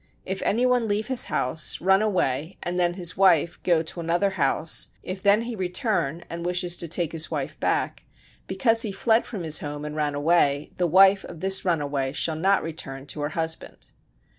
If any one leave his house, run away, and then his wife go to another house, if then he return, and wishes to take his wife back: because he fled from his home and ran away, the wife of this runaway shall not return to her husband.